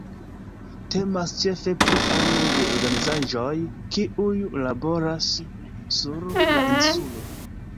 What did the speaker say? Temas ĉefe pri anoj de organizaĵoj kiuj laboras sur la insulo.